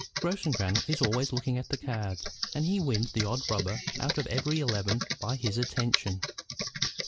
Grossengrannel is always looking at the cards, and he wins the odd rubber out of every eleven by his attention.